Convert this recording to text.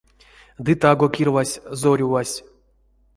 Ды таго кирвазсь зорювась.